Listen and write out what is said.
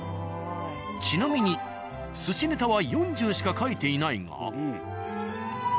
ちなみに寿司ネタは４０しか書いていないが。